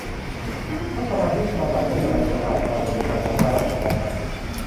รัฐบาลเพิ่งประกาศโฆษณาประกาศการบริการสาธารณะฉบับใหม่